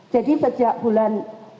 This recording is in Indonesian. jadi sejak bulan